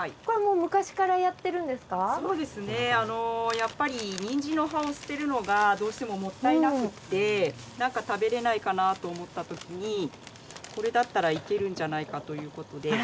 やっぱりニンジンの葉を捨てるのがどうしてももったいなくって何か食べられないかなと思ったときにこれだったらいけるんじゃないかということで。